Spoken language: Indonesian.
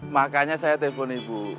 makanya saya telepon ibu